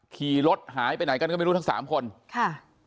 ขี่รถหายไปไหนกันก็ไม่รู้ทั้งสามคนค่ะ